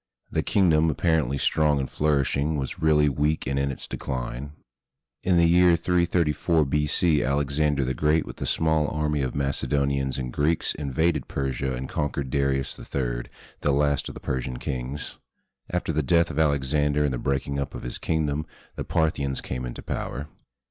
The kingdom, apparently strong and flourishing, was really weak and in its decline. In the year 334 B.C., Alexander the Great with a small army of Macedo nians and Greeks invaded Persia and conquered Darius III, the last of the Persian kings. . After the death of Alexander and the breaking up of his kingdom, the Parthians came into power.